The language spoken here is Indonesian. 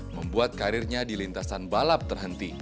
membuat karirnya di lintasan balap terhenti